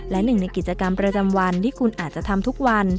และหนึ่งในกิจกรรมประจำวันที่คุณอาจจะทำทุกวัน